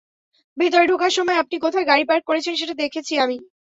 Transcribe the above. ভেতরে ঢোকার সময় আপনি কোথায় গাড়ি পার্ক করেছেন সেটা দেখেছি আমি।